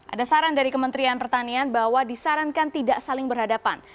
ada saran dari kementerian pertanian bahwa disarankan tidak saling berhadapan